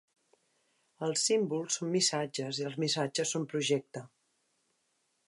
Els símbols són missatges i els missatges són projecte.